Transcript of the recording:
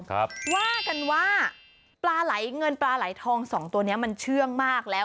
ครับว่ากันว่าปลาไหลเงินปลาไหลทองสองตัวเนี้ยมันเชื่องมากแล้ว